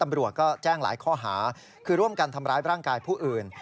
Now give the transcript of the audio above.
ตำรวจก็แจ้งหลายข้อหาคือร่วมกันทำร้ายร่างกายผู้อื่น